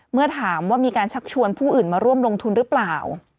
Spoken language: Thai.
เมื่อถามว่ามีการชักชวนผู้อื่นมาร่วมลงทุนหรือเปล่า